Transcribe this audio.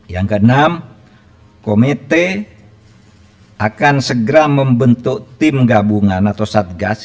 yang keenam komite akan segera membentuk tim gabungan atau satgas